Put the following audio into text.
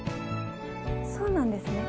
そうなんですね。